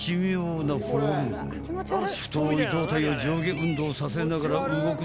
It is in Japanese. ［太い胴体を上下運動させながら動く